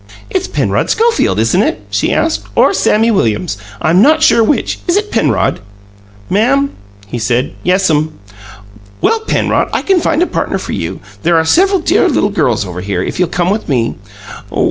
"It's Penrod Schofield, isn't it?" she asked. "Or Sammy Williams? I'm not sure which. Is it Penrod?" "Ma'am?" he said. "Yes'm." "Well, Penrod, I can find a partner for you. There are several dear little girls over here, if you'll come with me."